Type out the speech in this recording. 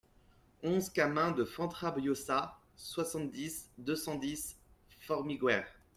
onze camin de Fontrabiosa, soixante-six, deux cent dix, Formiguères